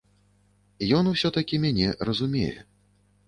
Ён усё-такі мяне разумее.